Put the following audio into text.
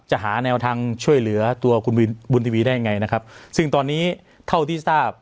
หาแนวทางช่วยเหลือตัวคุณบุญทีวีได้ยังไงนะครับซึ่งตอนนี้เท่าที่ทราบ